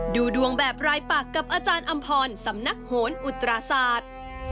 ดูดวงแบบรายปักกับอาจารย์อำพรสำนักโหนอุตราศาสตร์